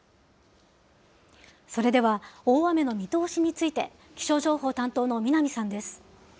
それでは大雨の見通しについて、気象情報担当の南さんです。